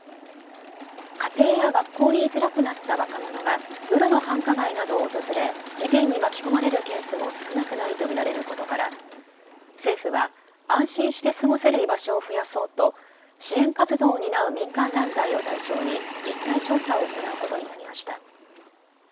家庭や学校に居づらくなった若者が夜の繁華街などを訪れ事件に巻き込まれるケースも少なくないと見られることから政府は安心して過ごせる居場所を増やそうと支援活動を担う民間団体を対象に実態調査を行うことになりました。